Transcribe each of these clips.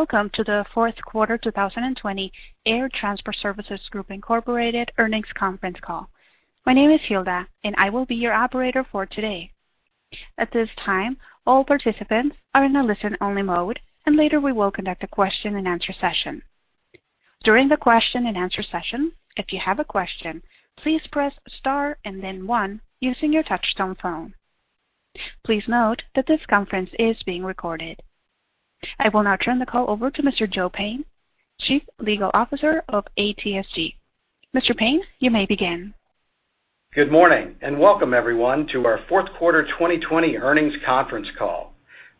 Welcome to the fourth quarter 2020 Air Transport Services Group Incorporated earnings conference call. My name is Hilda, and I will be your operator for today. At this time, all participants are in a listen-only mode, and later we will conduct a question and answer session. During the question and answer session, if you have a question, please press star and then one using your touchtone phone. Please note that this conference is being recorded. I will now turn the call over to Mr. Joe Payne, Chief Legal Officer of ATSG. Mr. Payne, you may begin. Good morning, welcome everyone to our fourth quarter 2020 earnings conference call.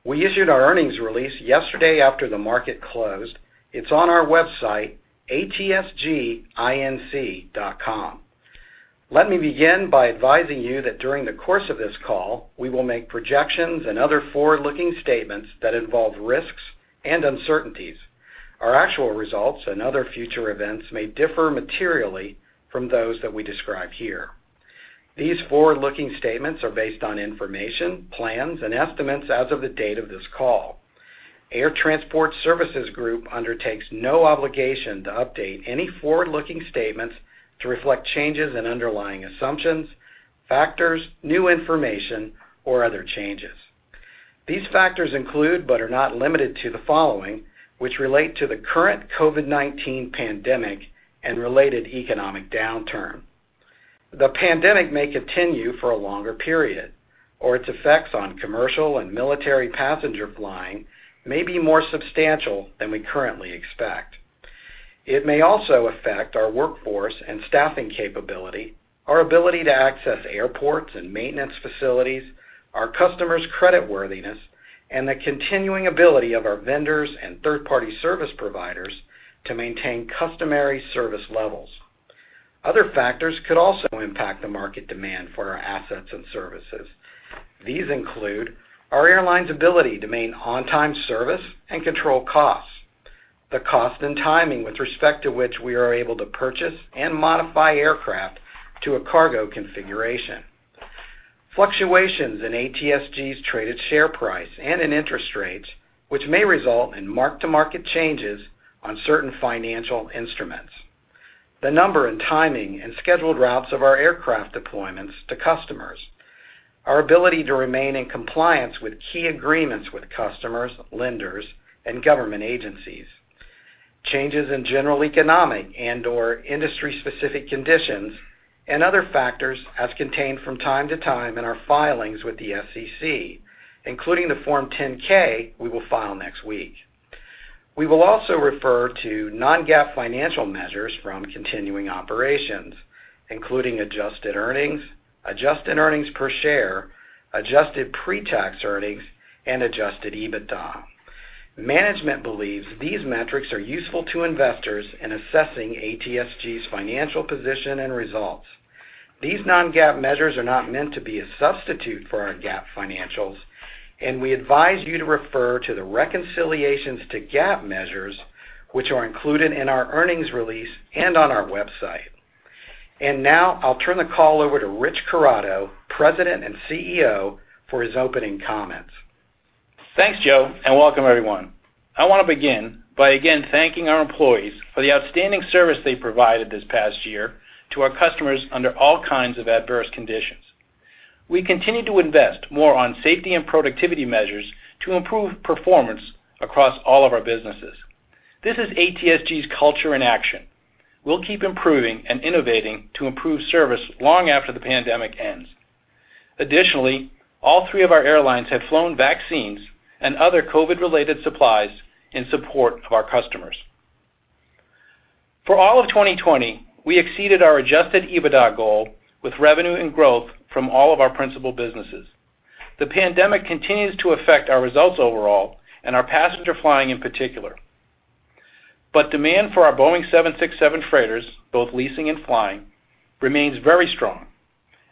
We issued our earnings release yesterday after the market closed. It's on our website, atsginc.com. Let me begin by advising you that during the course of this call, we will make projections and other forward-looking statements that involve risks and uncertainties. Our actual results and other future events may differ materially from those that we describe here. These forward-looking statements are based on information, plans, and estimates as of the date of this call. Air Transport Services Group undertakes no obligation to update any forward-looking statements to reflect changes in underlying assumptions, factors, new information, or other changes. These factors include, but are not limited to, the following, which relate to the current COVID-19 pandemic and related economic downturn. The pandemic may continue for a longer period, or its effects on commercial and military passenger flying may be more substantial than we currently expect. It may also affect our workforce and staffing capability, our ability to access airports and maintenance facilities, our customers' creditworthiness, and the continuing ability of our vendors and third-party service providers to maintain customary service levels. Other factors could also impact the market demand for our assets and services. These include our airline's ability to maintain on-time service and control costs, the cost and timing with respect to which we are able to purchase and modify aircraft to a cargo configuration. Fluctuations in ATSG's traded share price and in interest rates, which may result in mark-to-market changes on certain financial instruments. The number and timing and scheduled routes of our aircraft deployments to customers. Our ability to remain in compliance with key agreements with customers, lenders, and government agencies. Changes in general economic and/or industry-specific conditions and other factors as contained from time to time in our filings with the SEC, including the Form 10-K we will file next week. We will also refer to non-GAAP financial measures from continuing operations, including adjusted earnings, adjusted earnings per share, adjusted pre-tax earnings, and adjusted EBITDA. Management believes these metrics are useful to investors in assessing ATSG's financial position and results. These non-GAAP measures are not meant to be a substitute for our GAAP financials, and we advise you to refer to the reconciliations to GAAP measures, which are included in our earnings release and on our website. Now I'll turn the call over to Rich Corrado, President and CEO, for his opening comments. Thanks, Joe. Welcome everyone. I want to begin by again thanking our employees for the outstanding service they provided this past year to our customers under all kinds of adverse conditions. We continue to invest more on safety and productivity measures to improve performance across all of our businesses. This is ATSG's culture in action. We'll keep improving and innovating to improve service long after the pandemic ends. Additionally, all three of our airlines have flown vaccines and other COVID-related supplies in support of our customers. For all of 2020, we exceeded our Adjusted EBITDA goal with revenue and growth from all of our principal businesses. The pandemic continues to affect our results overall and our passenger flying in particular. Demand for our Boeing 767 freighters, both leasing and flying, remains very strong,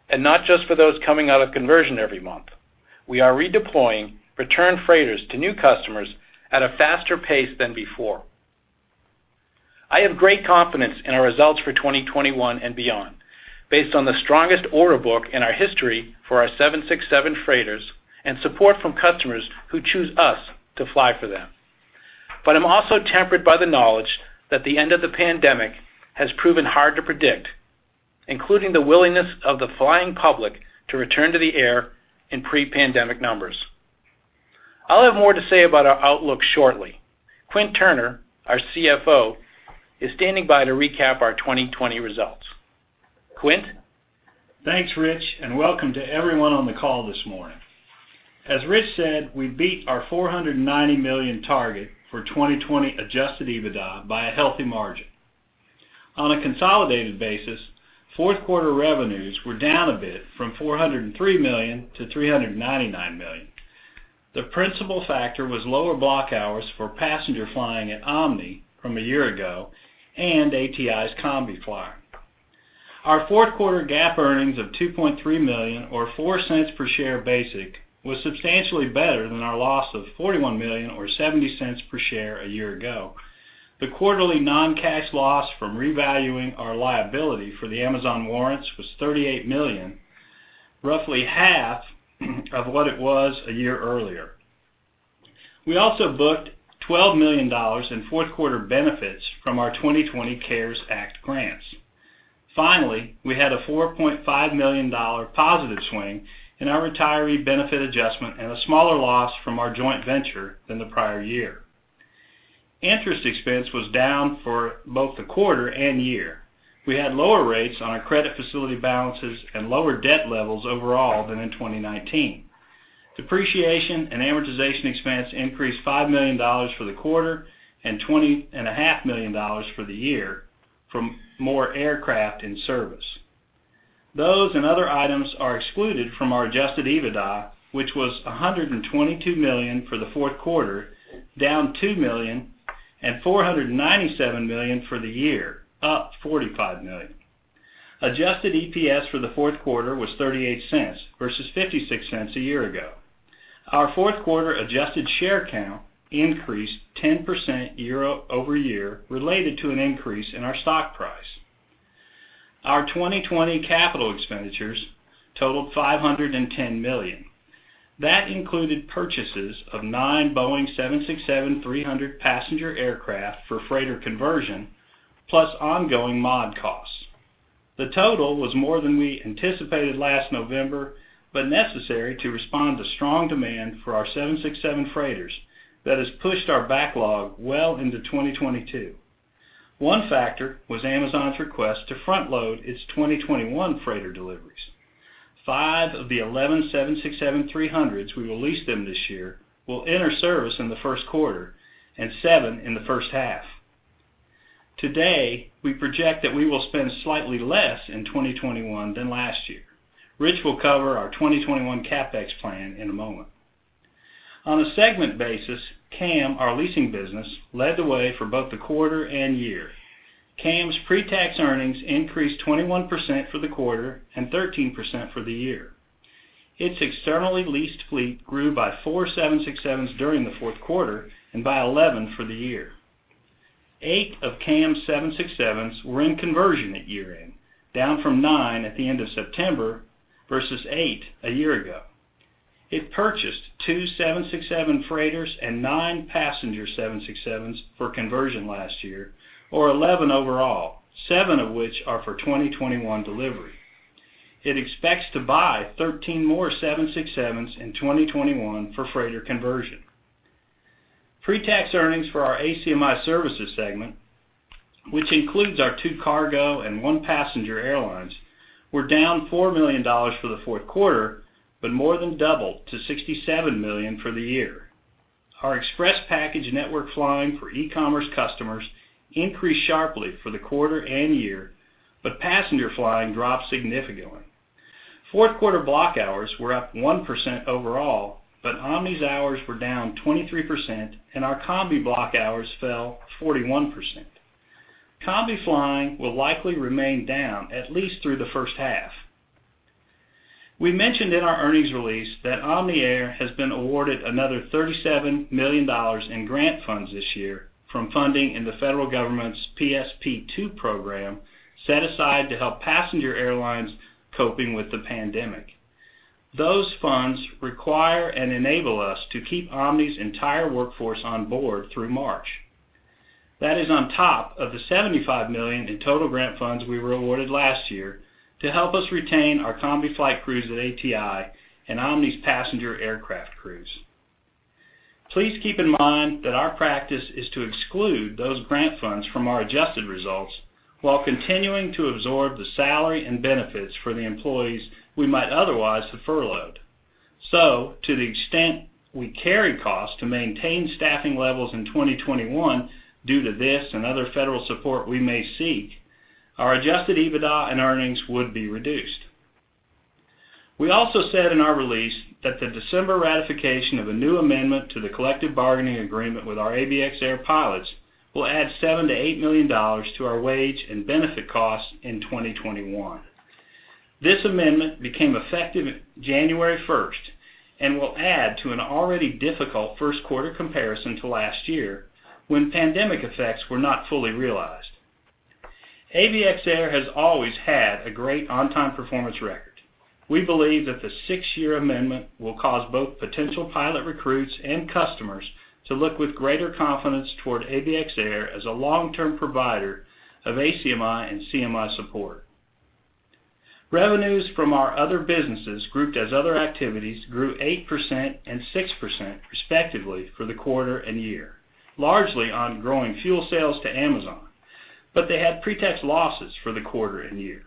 and not just for those coming out of conversion every month. We are redeploying returned freighters to new customers at a faster pace than before. I have great confidence in our results for 2021 and beyond based on the strongest order book in our history for our 767 freighters and support from customers who choose us to fly for them. I'm also tempered by the knowledge that the end of the pandemic has proven hard to predict, including the willingness of the flying public to return to the air in pre-pandemic numbers. I'll have more to say about our outlook shortly. Quint Turner, our CFO, is standing by to recap our 2020 results. Quint? Thanks, Rich, welcome to everyone on the call this morning. As Rich said, we beat our $490 million target for 2020 Adjusted EBITDA by a healthy margin. On a consolidated basis, fourth quarter revenues were down a bit from $403 million-$399 million. The principal factor was lower block hours for passenger flying at Omni from a year ago and ATI's Combi fly. Our fourth quarter GAAP earnings of $2.3 million or $0.04 per share basic was substantially better than our loss of $41 million or $0.70 per share a year ago. The quarterly non-cash loss from revaluing our liability for the Amazon warrants was $38 million. Roughly half of what it was a year earlier. We also booked $12 million in fourth quarter benefits from our 2020 CARES Act grants. Finally, we had a $4.5 million positive swing in our retiree benefit adjustment and a smaller loss from our joint venture than the prior year. Interest expense was down for both the quarter and year. We had lower rates on our credit facility balances and lower debt levels overall than in 2019. Depreciation and amortization expense increased $5 million for the quarter and $20.5 million for the year from more aircraft in service. Those and other items are excluded from our Adjusted EBITDA, which was $122 million for the fourth quarter, down $2 million, and $497 million for the year, up $45 million. Adjusted EPS for the fourth quarter was $0.38 versus $0.56 a year ago. Our fourth quarter adjusted share count increased 10% year-over-year related to an increase in our stock price. Our 2020 capital expenditures totaled $510 million. That included purchases of nine Boeing 767-300 passenger aircraft for freighter conversion, plus ongoing mod costs. The total was more than we anticipated last November, but necessary to respond to strong demand for our 767 freighters that has pushed our backlog well into 2022. One factor was Amazon's request to front-load its 2021 freighter deliveries. Five of the 11 767-300s we will lease them this year will enter service in the first quarter and seven in the first half. Today, we project that we will spend slightly less in 2021 than last year. Rich will cover our 2021 CapEx plan in a moment. On a segment basis, CAM, our leasing business, led the way for both the quarter and year. CAM's pre-tax earnings increased 21% for the quarter and 13% for the year. Its externally leased fleet grew by four 767s during the fourth quarter and by 11% for the year. Eight of CAM's 767s were in conversion at year-end, down from nine at the end of September versus eight a year ago. It purchased two 767 freighters and nine passenger 767s for conversion last year, or 11 overall, seven of which are for 2021 delivery. It expects to buy 13 more 767s in 2021 for freighter conversion. Pre-tax earnings for our ACMI Services segment, which includes our two cargo and one passenger airlines, were down $4 million for the fourth quarter, but more than doubled to $67 million for the year. Our express package network flying for e-commerce customers increased sharply for the quarter and year, but passenger flying dropped significantly. Fourth quarter block hours were up 1% overall, but Omni's hours were down 23% and our Combi block hours fell 41%. Combi flying will likely remain down at least through the first half. We mentioned in our earnings release that Omni Air has been awarded another $37 million in grant funds this year from funding in the federal government's PSP2 program set aside to help passenger airlines coping with the pandemic. Those funds require and enable us to keep Omni's entire workforce on board through March. That is on top of the $75 million in total grant funds we were awarded last year to help us retain our Combi flight crews at ATI and Omni's passenger aircraft crews. Please keep in mind that our practice is to exclude those grant funds from our adjusted results while continuing to absorb the salary and benefits for the employees we might otherwise have furloughed. To the extent we carry costs to maintain staffing levels in 2021 due to this and other federal support we may seek, our Adjusted EBITDA and earnings would be reduced. We also said in our release that the December ratification of a new amendment to the collective bargaining agreement with our ABX Air pilots will add $7 million-$8 million to our wage and benefit costs in 2021. This amendment became effective January 1st and will add to an already difficult first quarter comparison to last year when pandemic effects were not fully realized. ABX Air has always had a great on-time performance record. We believe that the six-year amendment will cause both potential pilot recruits and customers to look with greater confidence toward ABX Air as a long-term provider of ACMI and CMI support. Revenues from our other businesses grouped as other activities grew 8% and 6% respectively for the quarter and year, largely on growing fuel sales to Amazon, but they had pre-tax losses for the quarter and year.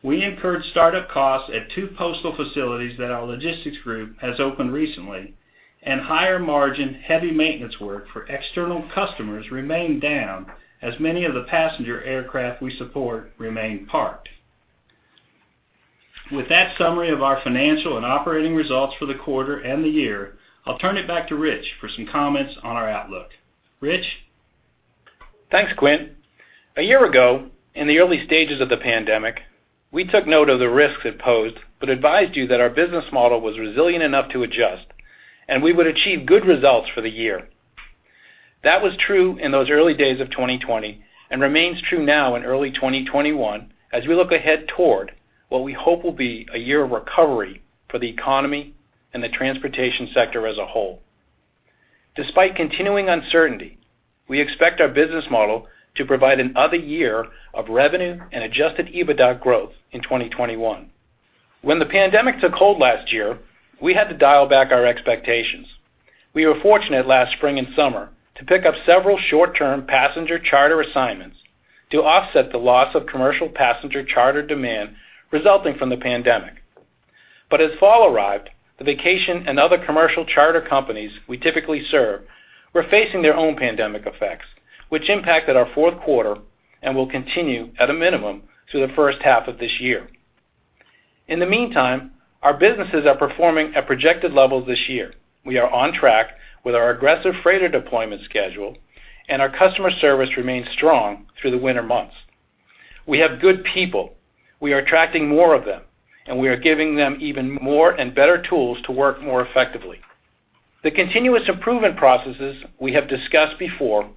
We incurred startup costs at two postal facilities that our logistics group has opened recently, and higher margin heavy maintenance work for external customers remained down as many of the passenger aircraft we support remained parked. With that summary of our financial and operating results for the quarter and the year, I'll turn it back to Rich for some comments on our outlook. Rich? Thanks, Quint. A year ago, in the early stages of the pandemic, we took note of the risks it posed, but advised you that our business model was resilient enough to adjust, and we would achieve good results for the year. That was true in those early days of 2020 and remains true now in early 2021, as we look ahead toward what we hope will be a year of recovery for the economy and the transportation sector as a whole. Despite continuing uncertainty, we expect our business model to provide another year of revenue and Adjusted EBITDA growth in 2021. When the pandemic took hold last year, we had to dial back our expectations. We were fortunate last spring and summer to pick up several short-term passenger charter assignments to offset the loss of commercial passenger charter demand resulting from the pandemic. As fall arrived, the vacation and other commercial charter companies we typically serve were facing their own pandemic effects, which impacted our fourth quarter and will continue at a minimum through the first half of this year. In the meantime, our businesses are performing at projected levels this year. We are on track with our aggressive freighter deployment schedule, and our customer service remains strong through the winter months. We have good people. We are attracting more of them, and we are giving them even more and better tools to work more effectively. The continuous improvement processes we have discussed before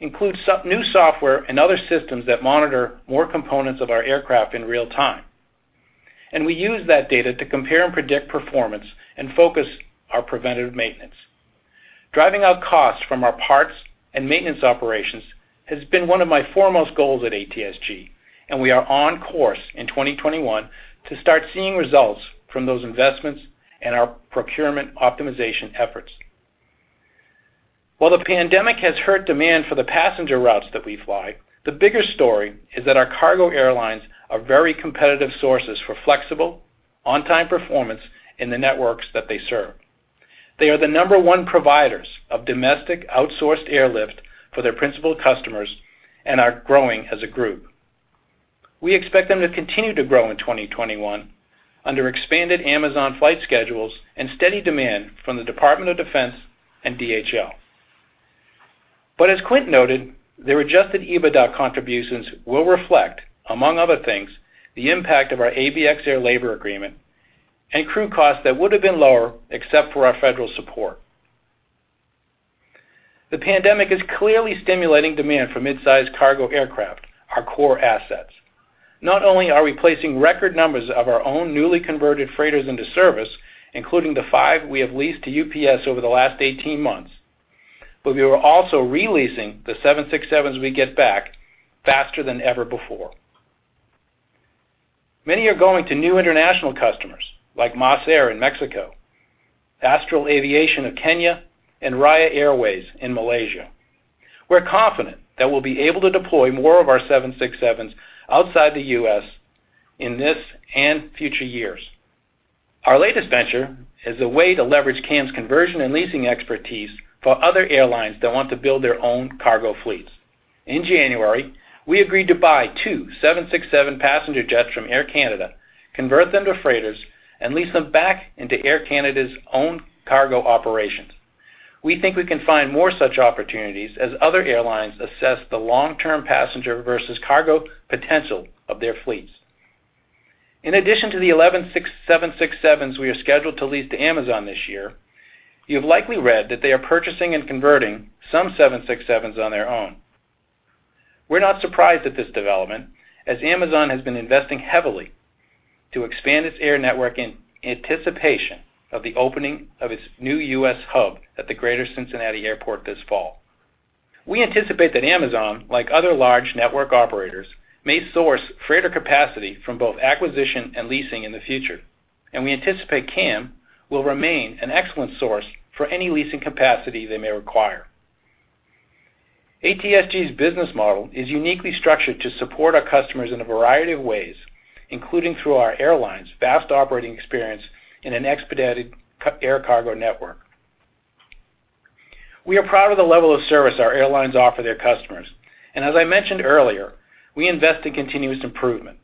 include new software and other systems that monitor more components of our aircraft in real time. We use that data to compare and predict performance and focus our preventative maintenance. Driving out costs from our parts and maintenance operations has been one of my foremost goals at ATSG, and we are on course in 2021 to start seeing results from those investments and our procurement optimization efforts. While the pandemic has hurt demand for the passenger routes that we fly, the bigger story is that our cargo airlines are very competitive sources for flexible, on-time performance in the networks that they serve. They are the number one providers of domestic outsourced airlift for their principal customers and are growing as a group. We expect them to continue to grow in 2021 under expanded Amazon flight schedules and steady demand from the Department of Defense and DHL. As Quint noted, their Adjusted EBITDA contributions will reflect, among other things, the impact of our ABX Air labor agreement and crew costs that would have been lower except for our federal support. The pandemic is clearly stimulating demand for mid-size cargo aircraft, our core assets. Not only are we placing record numbers of our own newly converted freighters into service, including the five we have leased to UPS over the last 18 months, but we are also re-leasing the 767s we get back faster than ever before. Many are going to new international customers like MasAir in Mexico, Astral Aviation of Kenya, and Raya Airways in Malaysia. We're confident that we'll be able to deploy more of our 767s outside the U.S. in this and future years. Our latest venture is a way to leverage CAM's conversion and leasing expertise for other airlines that want to build their own cargo fleets. In January, we agreed to buy two 767 passenger jets from Air Canada, convert them to freighters, and lease them back into Air Canada's own cargo operations. We think we can find more such opportunities as other airlines assess the long-term passenger versus cargo potential of their fleets. In addition to the 11 767s we are scheduled to lease to Amazon this year, you have likely read that they are purchasing and converting some 767s on their own. We're not surprised at this development, as Amazon has been investing heavily to expand its air network in anticipation of the opening of its new U.S. hub at the Greater Cincinnati Airport this fall. We anticipate that Amazon, like other large network operators, may source freighter capacity from both acquisition and leasing in the future, and we anticipate CAM will remain an excellent source for any leasing capacity they may require. ATSG's business model is uniquely structured to support our customers in a variety of ways, including through our airlines' vast operating experience in an expedited air cargo network. We are proud of the level of service our airlines offer their customers. As I mentioned earlier, we invest in continuous improvement.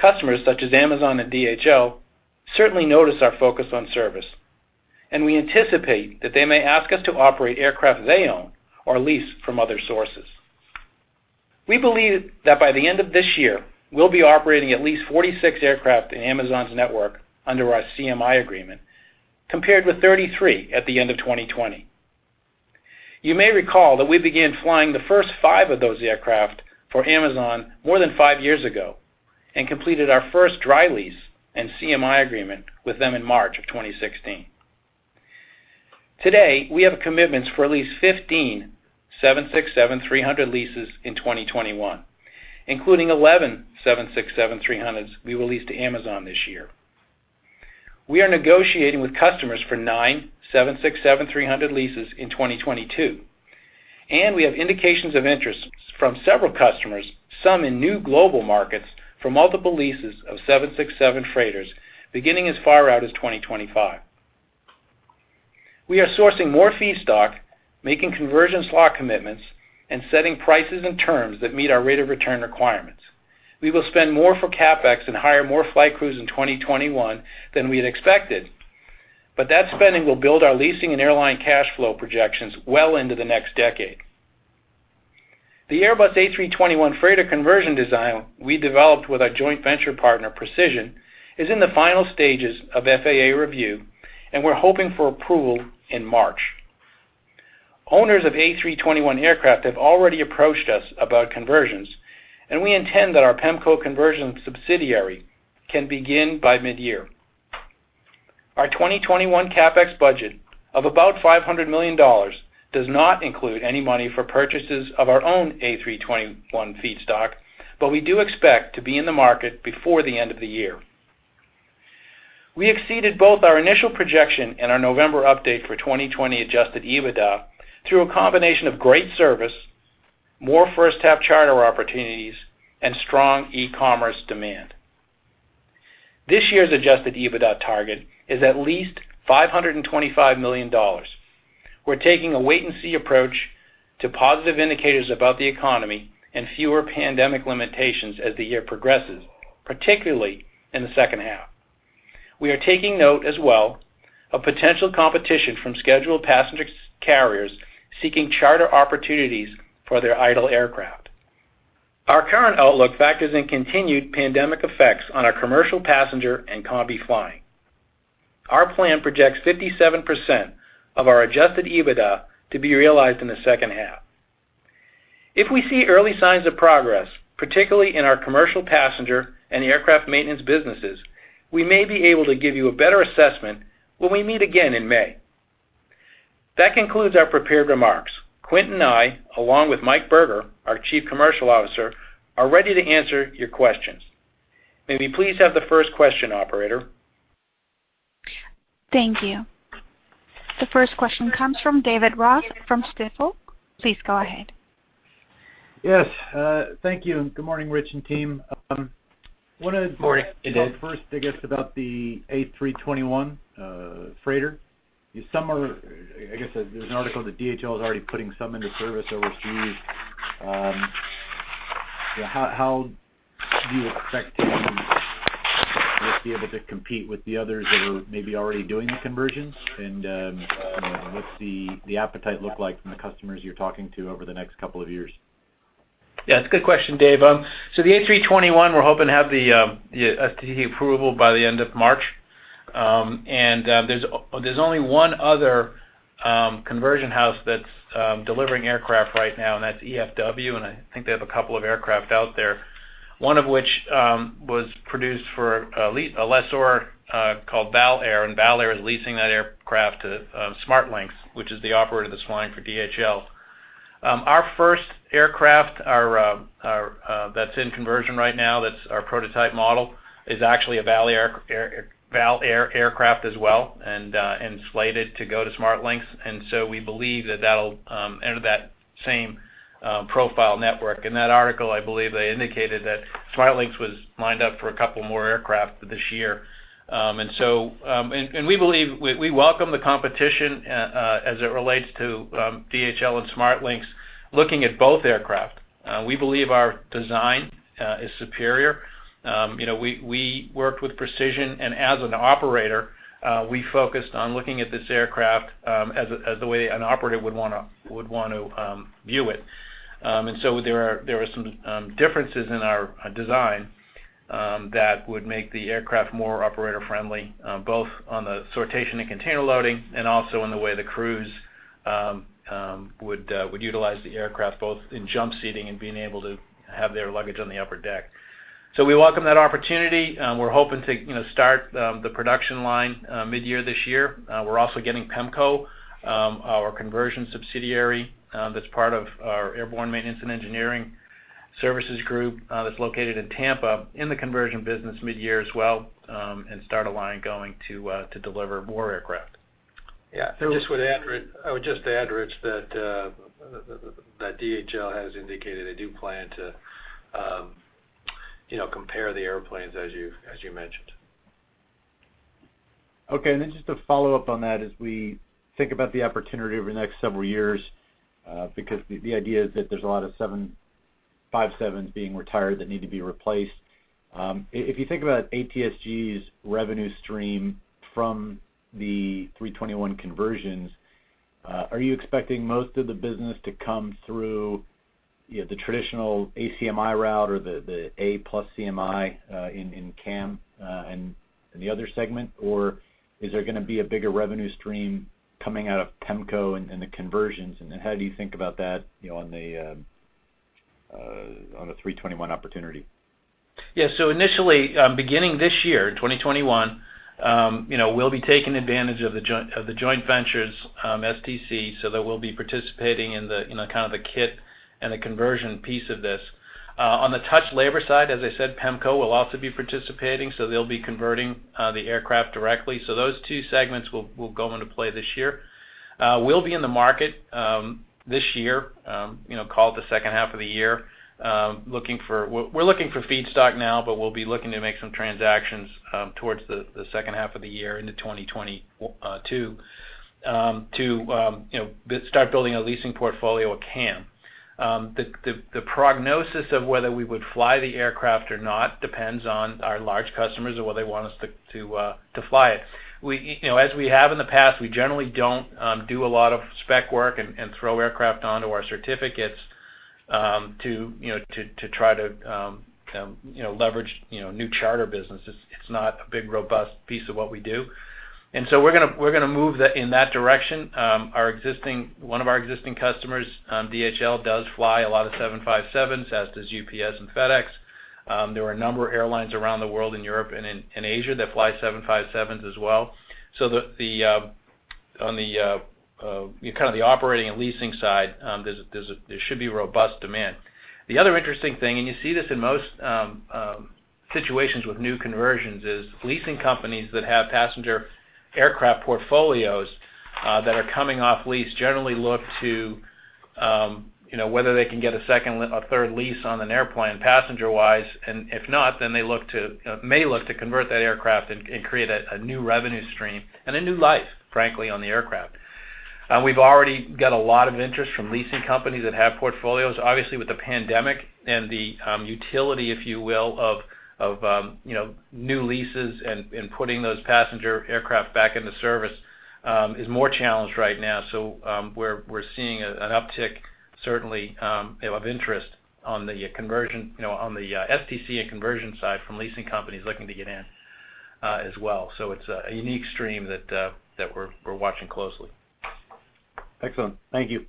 Customers such as Amazon and DHL certainly notice our focus on service, and we anticipate that they may ask us to operate aircraft they own or lease from other sources. We believe that by the end of this year, we'll be operating at least 46 aircraft in Amazon's network under our CMI agreement, compared with 33 at the end of 2020. You may recall that we began flying the first five of those aircraft for Amazon more than five years ago and completed our first dry lease and CMI agreement with them in March of 2016. Today, we have commitments for at least 15 767-300 leases in 2021, including 11 767-300s we will lease to Amazon this year. We are negotiating with customers for nine 767-300 leases in 2022, and we have indications of interest from several customers, some in new global markets, for multiple leases of 767 freighters, beginning as far out as 2025. We are sourcing more fee stock, making conversion slot commitments, and setting prices and terms that meet our rate of return requirements. We will spend more for CapEx and hire more flight crews in 2021 than we had expected, but that spending will build our leasing and airline cash flow projections well into the next decade. The Airbus A321 freighter conversion design we developed with our joint venture partner, Precision, is in the final stages of FAA review, and we're hoping for approval in March. Owners of A321 aircraft have already approached us about conversions, and we intend that our PEMCO conversion subsidiary can begin by mid-year. Our 2021 CapEx budget of about $500 million does not include any money for purchases of our own Airbus A321 feedstock, but we do expect to be in the market before the end of the year. We exceeded both our initial projection and our November update for 2020 Adjusted EBITDA through a combination of great service, more first-half charter opportunities, and strong e-commerce demand. This year's Adjusted EBITDA target is at least $525 million. We're taking a wait-and-see approach to positive indicators about the economy and fewer pandemic limitations as the year progresses, particularly in the second half. We are taking note as well of potential competition from scheduled passenger carriers seeking charter opportunities for their idle aircraft. Our current outlook factors in continued pandemic effects on our commercial passenger and Combi flying. Our plan projects 57% of our Adjusted EBITDA to be realized in the second half. If we see early signs of progress, particularly in our commercial passenger and aircraft maintenance businesses, we may be able to give you a better assessment when we meet again in May. That concludes our prepared remarks. Quint and I, along with Mike Berger, our Chief Commercial Officer, are ready to answer your questions. May we please have the first question, operator? Thank you. The 1st question comes from David Ross from Stifel. Please go ahead. Yes. Thank you, and good morning, Rich and team. Morning, David. Wanted to talk 1st, I guess, about the Airbus A321 freighter. I guess there's an article that DHL is already putting some into service overseas. How do you expect to be able to compete with the others that are maybe already doing the conversions, and what's the appetite look like from the customers you're talking to over the next couple of years? It's a good question, Dave. The Airbus A321, we're hoping to have the STC approval by the end of March. There's only one other conversion house that's delivering aircraft right now, and that's EFW, and I think they have a couple of aircraft out there. One of which was produced for a lessor called Vallair, and Vallair is leasing that aircraft to SmartLynx Airlines, which is the operator that's flying for DHL. Our first aircraft that's in conversion right now, that's our prototype model, is actually a Vallair aircraft as well, and slated to go to SmartLynx Airlines. We believe that that'll enter that same profile network. In that article, I believe they indicated that SmartLynx Airlines was lined up for a couple more aircraft this year. We welcome the competition as it relates to DHL and SmartLynx Airlines looking at both aircraft. We believe our design is superior. We worked with Precision, and as an operator, we focused on looking at this aircraft as the way an operator would want to view it. There are some differences in our design that would make the aircraft more operator-friendly, both on the sortation and container loading, and also in the way the crews would utilize the aircraft, both in jump seating and being able to have their luggage on the upper deck. We welcome that opportunity. We're hoping to start the production line mid-year this year. We're also getting PEMCO, our conversion subsidiary that's part of our Airborne Maintenance & Engineering Services that's located in Tampa, in the conversion business mid-year as well, and start a line going to deliver more aircraft. Yeah. I would just add, Rich, that DHL has indicated they do plan to compare the airplanes as you mentioned. Okay. Then just a follow-up on that as we think about the opportunity over the next several years, because the idea is that there's a lot of 757s being retired that need to be replaced. If you think about ATSG's revenue stream from the A321 conversions, are you expecting most of the business to come through the traditional ACMI route or the A plus CMI in CAM and the other segment, or is there going to be a bigger revenue stream coming out of PEMCO and the conversions? Then how do you think about that on the A321 opportunity? Yeah. Initially, beginning this year, in 2021, we'll be taking advantage of the joint venture's STC, so that we'll be participating in the kind of the kit and the conversion piece of this. On the touch labor side, as I said, PEMCO will also be participating, so they'll be converting the aircraft directly. Those two segments will go into play this year. We'll be in the market this year, call it the second half of the year. We're looking for feedstock now, but we'll be looking to make some transactions towards the second half of the year into 2022 to start building a leasing portfolio at CAM. The prognosis of whether we would fly the aircraft or not depends on our large customers and whether they want us to fly it. As we have in the past, we generally don't do a lot of spec work and throw aircraft onto our certificates to try to leverage new charter business. It's not a big, robust piece of what we do. We're going to move in that direction. One of our existing customers, DHL, does fly a lot of 757s, as does UPS and FedEx. There are a number of airlines around the world, in Europe and in Asia, that fly 757s as well. On the operating and leasing side, there should be robust demand. The other interesting thing, and you see this in most situations with new conversions, is leasing companies that have passenger aircraft portfolios that are coming off lease generally look to whether they can get a third lease on an airplane, passenger-wise, and if not, then they may look to convert that aircraft and create a new revenue stream and a new life, frankly, on the aircraft. We've already got a lot of interest from leasing companies that have portfolios. Obviously, with the pandemic and the utility, if you will, of new leases and putting those passenger aircraft back into service is more challenged right now. We're seeing an uptick, certainly, of interest on the STC and conversion side from leasing companies looking to get in as well. It's a unique stream that we're watching closely. Excellent. Thank you.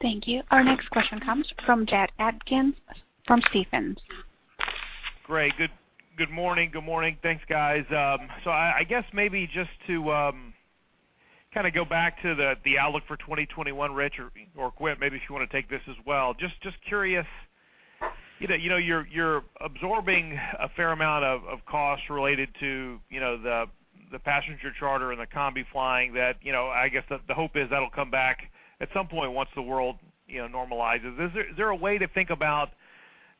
Thank you. Our next question comes from Jack Atkins from Stephens. Great. Good morning. Thanks, guys. I guess maybe just to go back to the outlook for 2021, Rich, or Quint, maybe if you want to take this as well, just curious, you're absorbing a fair amount of costs related to the passenger charter and the Combi flying that, I guess, the hope is that'll come back at some point once the world normalizes. Is there a way to think about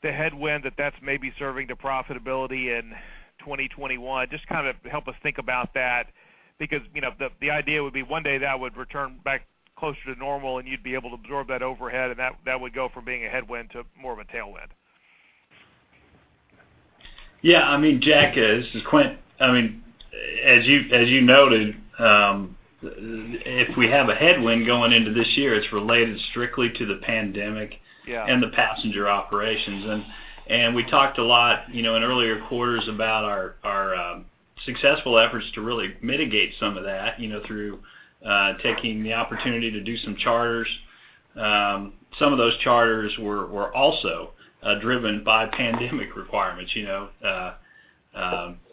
the headwind that that's maybe serving to profitability in 2021? Just help us think about that, because the idea would be one day that would return back closer to normal and you'd be able to absorb that overhead, and that would go from being a headwind to more of a tailwind. Yeah. Jack, this is Quint. As you noted, if we have a headwind going into this year, it's related strictly to the pandemic. Yeah The passenger operations. We talked a lot in earlier quarters about our successful efforts to really mitigate some of that through taking the opportunity to do some charters. Some of those charters were also driven by pandemic requirements,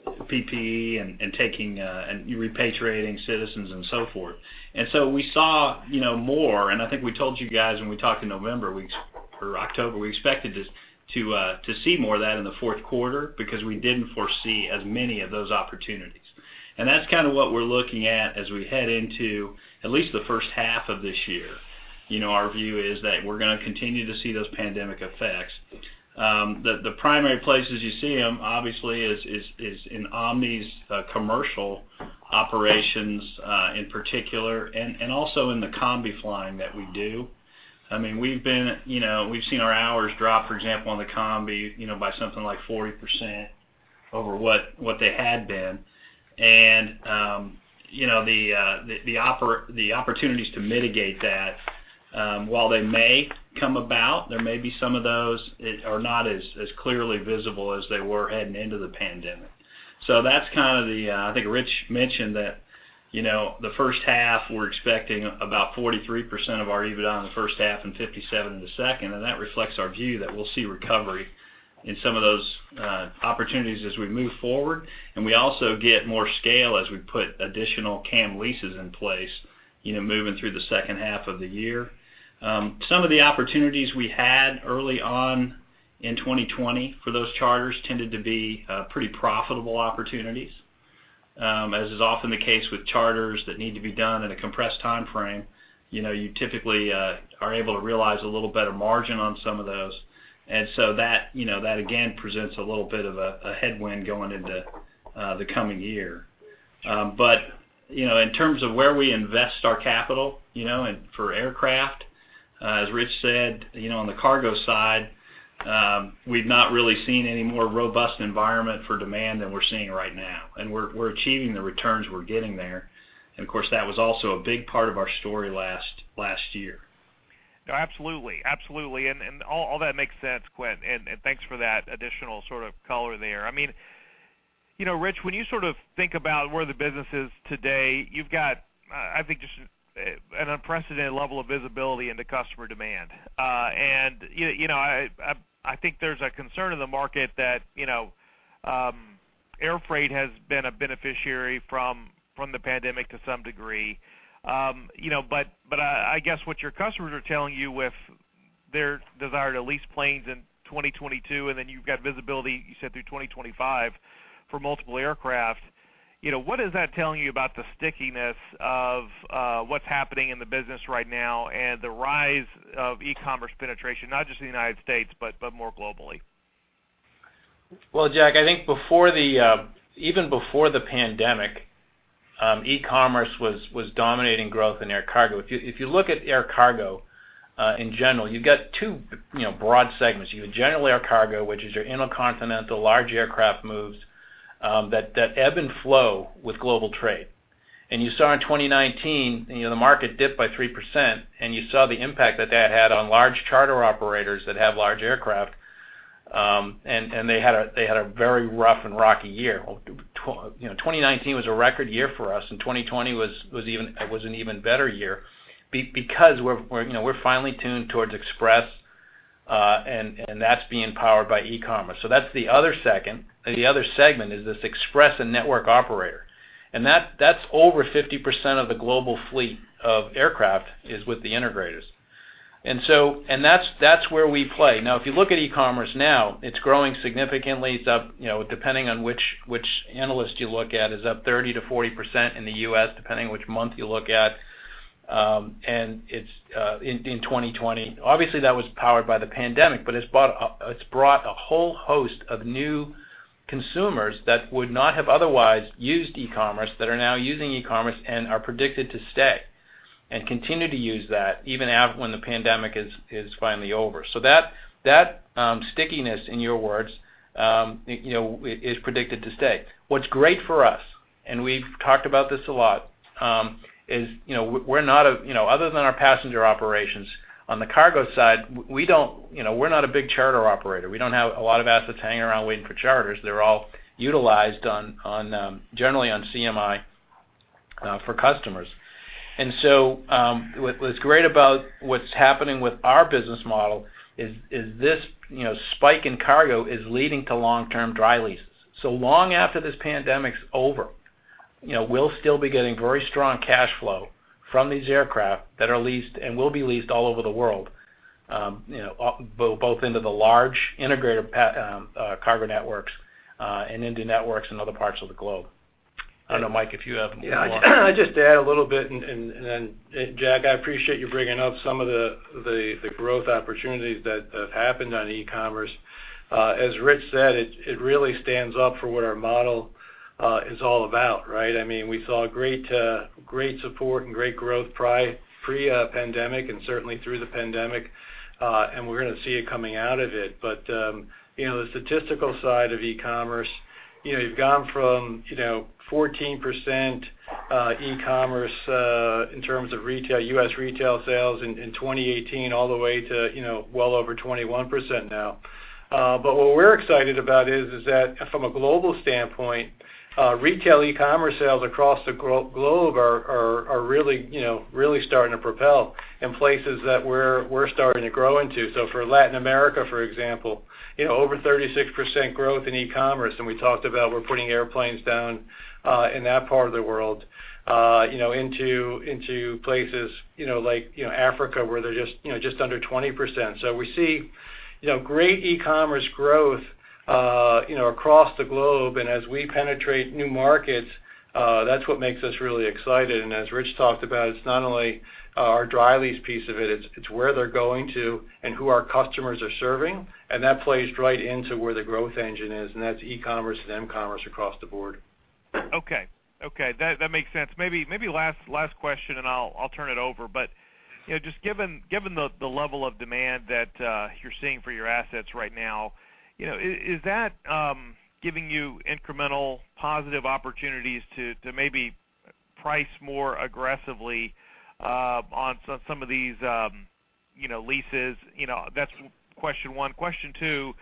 PPE and repatriating citizens and so forth. We saw more, and I think we told you guys when we talked in November or October, we expected to see more of that in the fourth quarter because we didn't foresee as many of those opportunities. That's kind of what we're looking at as we head into at least the first half of this year. Our view is that we're going to continue to see those pandemic effects. The primary places you see them, obviously, is in Omni's commercial operations in particular, and also in the combi flying that we do. The opportunities to mitigate that, while they may come about, there may be some of those are not as clearly visible as they were heading into the pandemic. I think Rich mentioned that the first half, we're expecting about 43% of our EBITDA in the first half and 57% in the second, and that reflects our view that we'll see recovery in some of those opportunities as we move forward, and we also get more scale as we put additional CAM leases in place moving through the second half of the year. Some of the opportunities we had early on in 2020 for those charters tended to be pretty profitable opportunities. As is often the case with charters that need to be done in a compressed timeframe, you typically are able to realize a little better margin on some of those. That, again, presents a little bit of a headwind going into the coming year. In terms of where we invest our capital for aircraft, as Rich said, on the cargo side, we've not really seen any more robust environment for demand than we're seeing right now. We're achieving the returns we're getting there, and of course, that was also a big part of our story last year. No, absolutely. All that makes sense, Quint, and thanks for that additional sort of color there. Rich, when you sort of think about where the business is today, you've got, I think, just an unprecedented level of visibility into customer demand. I think there's a concern in the market that air freight has been a beneficiary from the pandemic to some degree. I guess what your customers are telling you with their desire to lease planes in 2022, and then you've got visibility, you said, through 2025 for multiple aircraft, what is that telling you about the stickiness of what's happening in the business right now and the rise of e-commerce penetration, not just in the United States, but more globally? Well, Jack, I think even before the pandemic, e-commerce was dominating growth in air cargo. If you look at air cargo in general, you've got two broad segments. You have general air cargo, which is your intercontinental large aircraft moves that ebb and flow with global trade. You saw in 2019, the market dip by 3%, and you saw the impact that that had on large charter operators that have large aircraft, and they had a very rough and rocky year. 2019 was a record year for us, 2020 was an even better year because we're finely tuned towards express, and that's being powered by e-commerce. That's the other segment, is this express and network operator. That's over 50% of the global fleet of aircraft is with the integrators. That's where we play. If you look at e-commerce now, it's growing significantly. It's up, depending on which analyst you look at, is up 30%-40% in the U.S., depending on which month you look at in 2020. Obviously, that was powered by the pandemic, but it's brought a whole host of new consumers that would not have otherwise used e-commerce that are now using e-commerce and are predicted to stay and continue to use that even when the pandemic is finally over. That stickiness, in your words, is predicted to stay. What's great for us, and we've talked about this a lot, is other than our passenger operations, on the cargo side, we're not a big charter operator. We don't have a lot of assets hanging around waiting for charters. They're all utilized generally on CMI for customers. What's great about what's happening with our business model is this spike in cargo is leading to long-term dry leases. Long after this pandemic's over, we'll still be getting very strong cash flow from these aircraft that are leased and will be leased all over the world, both into the large integrated cargo networks and into networks in other parts of the globe. I don't know, Mike, if you have more. I'll just add a little bit, and then, Jack, I appreciate you bringing up some of the growth opportunities that have happened on e-commerce. As Rich said, it really stands up for what our model is all about, right? We saw great support and great growth pre-pandemic, and certainly through the pandemic. We're going to see it coming out of it. The statistical side of e-commerce, you've gone from 14% e-commerce, in terms of U.S. retail sales in 2018, all the way to well over 21% now. What we're excited about is that from a global standpoint, retail e-commerce sales across the globe are really starting to propel in places that we're starting to grow into. For Latin America, for example, over 36% growth in e-commerce, and we talked about we're putting airplanes down in that part of the world, into places like Africa where they're just under 20%. We see great e-commerce growth across the globe, and as we penetrate new markets, that's what makes us really excited. As Rich talked about, it's not only our dry lease piece of it's where they're going to and who our customers are serving, and that plays right into where the growth engine is, and that's e-commerce and m-commerce across the board. Okay. That makes sense. Just given the level of demand that you're seeing for your assets right now, is that giving you incremental positive opportunities to maybe price more aggressively on some of these leases? That's question 1. Question 2,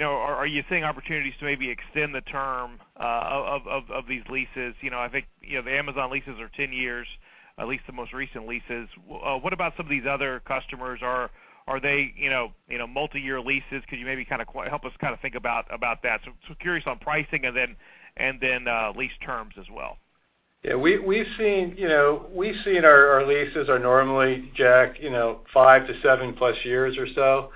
are you seeing opportunities to maybe extend the term of these leases? I think the Amazon leases are 10 years, at least the most recent leases. What about some of these other customers? Are they multi-year leases? Could you maybe help us think about that? Curious on pricing, and then lease terms as well. Yeah. Our leases are normally, Jack, 5-7+ years or so.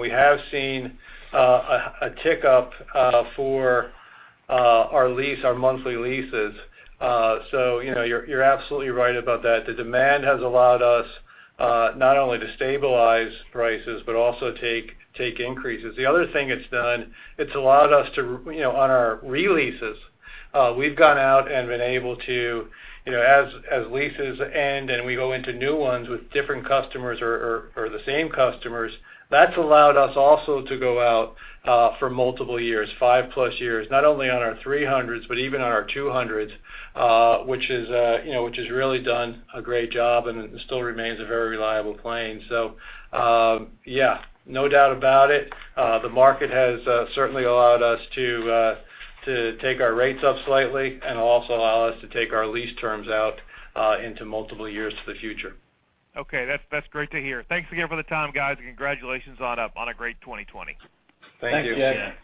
We have seen a tick up for our monthly leases. You're absolutely right about that. The demand has allowed us not only to stabilize prices but also take increases. The other thing it's done, it's allowed us to, on our re-leases, we've gone out and been able to, as leases end and we go into new ones with different customers or the same customers, that's allowed us also to go out for multiple years, 5+ years, not only on our 300s, but even on our 200s, which has really done a great job and still remains a very reliable plane. Yeah, no doubt about it. The market has certainly allowed us to take our rates up slightly and also allow us to take our lease terms out into multiple years to the future. Okay. That's great to hear. Thanks again for the time, guys, and congratulations on a great 2020. Thank you. Thanks, Jack.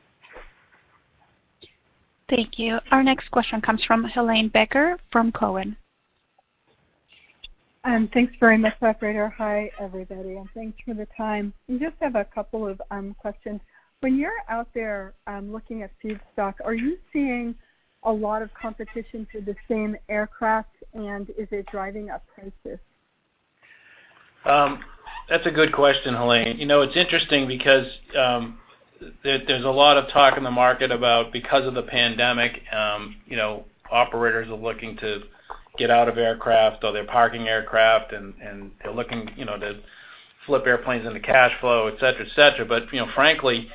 Thank you. Our next question comes from Helane Becker from Cowen. Thanks very much, operator. Hi, everybody, and thanks for the time. I just have a couple of questions. When you're out there looking at feedstock, are you seeing a lot of competition for the same aircraft, and is it driving up prices? That's a good question, Helane. It's interesting because there's a lot of talk in the market about because of the pandemic, operators are looking to get out of aircraft, or they're parking aircraft, and they're looking to flip airplanes into cash flow, et cetera. Frankly,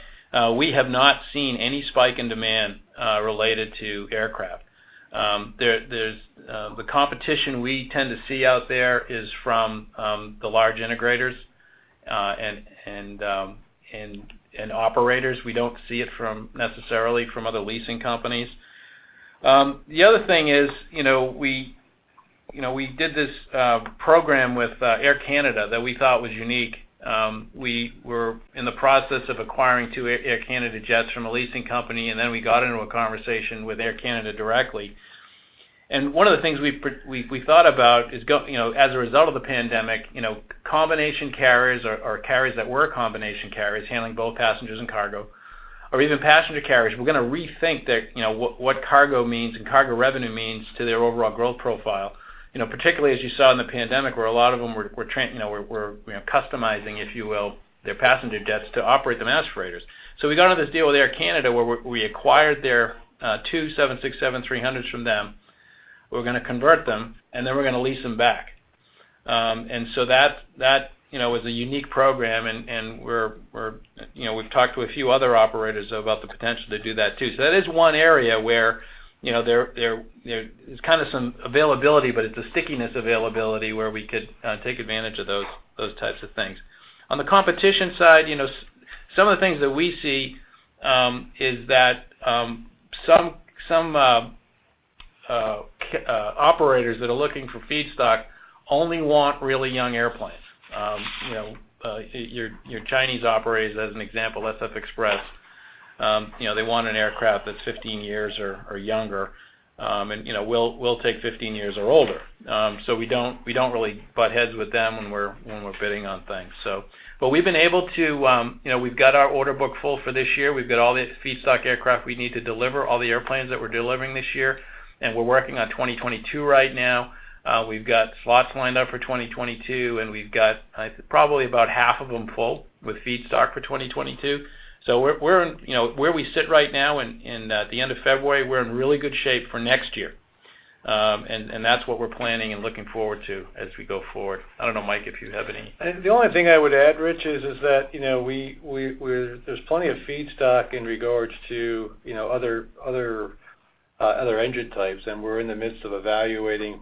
we have not seen any spike in demand related to aircraft. The competition we tend to see out there is from the large integrators and operators. We don't see it necessarily from other leasing companies. The other thing is, we did this program with Air Canada that we thought was unique. We were in the process of acquiring two Air Canada jets from a leasing company, and then we got into a conversation with Air Canada directly. One of the things we thought about is, as a result of the pandemic, combination carriers or carriers that were combination carriers, handling both passengers and cargo, or even passenger carriers, were going to rethink what cargo means and cargo revenue means to their overall growth profile. Particularly, as you saw in the pandemic, where a lot of them were customizing, if you will, their passenger jets to operate them as freighters. We got into this deal with Air Canada, where we acquired their two Boeing 767-300s from them. We were going to convert them, and then we were going to lease them back. That was a unique program, and we've talked to a few other operators about the potential to do that too. That is one area where there is kind of some availability, but it's a stickiness availability where we could take advantage of those types of things. On the competition side, some of the things that we see is that some operators that are looking for feedstock only want really young airplanes. Your Chinese operators, as an example, SF Express, they want an aircraft that's 15 years or younger, and we'll take 15 years or older. We don't really butt heads with them when we're bidding on things. We've got our order book full for this year. We've got all the feedstock aircraft we need to deliver, all the airplanes that we're delivering this year. We're working on 2022 right now. We've got slots lined up for 2022, and we've got probably about half of them full with feedstock for 2022. Where we sit right now in the end of February, we're in really good shape for next year. That's what we're planning and looking forward to as we go forward. I don't know, Mike, if you have any. The only thing I would add, Rich, is that there's plenty of feedstock in regards to other engine types, and we're in the midst of evaluating